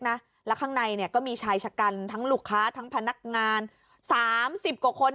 นะแล้วข้างในเนี้ยก็มีชายชะกันทั้งลูกค้าทั้งพนักงานสามสิบกว่าคน